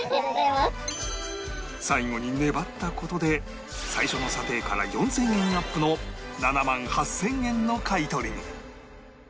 最後に粘った事で最初の査定から４０００円アップの７万８０００円の買い取りに